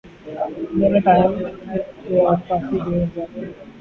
میں نے ٹام کا کافی دیر انتظار کیا۔